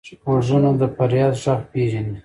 غوږونه د فریاد غږ پېژني